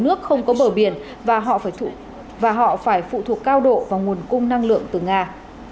nước không có bờ biển và họ phải phụ thuộc cao độ vào nguồn cung năng lượng từ nga